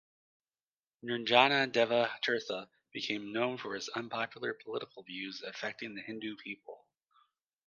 Nirnjana Deva Tirtha became known for his unpopular political views affecting the Hindu people.